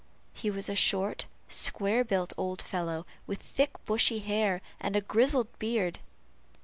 He was a short, square built old fellow, with thick bushy hair, and a grizzled beard.